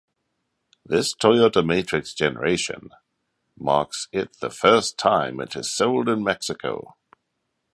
This Toyota Matrix generation marks it the first time it is sold in Mexico.